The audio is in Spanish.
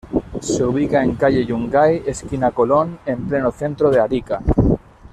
Se ubica en calle Yungay, esquina Colón, en pleno centro de Arica.